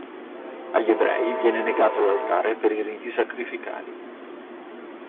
Agli ebrei viene negato l'altare per i riti sacrificali.